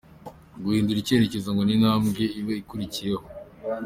Guhindura icyerekezo ngo ni yo ntambwe iba ikurikiyeho.